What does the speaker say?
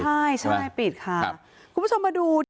ใช่ใช่ปิดค่ะ